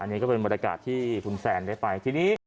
นี่ก็เป็นบรรยากาศที่คุณแซนได้ไปทีนี้